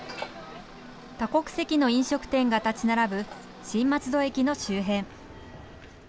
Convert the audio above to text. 多国籍の飲食店が建ち並ぶ新松戸駅の周辺。